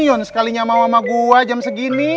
ion sekalinya mau sama gua jam segini